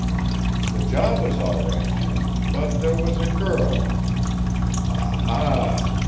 "The job was all right, Jim. But there was a girl " "Ah, ha!"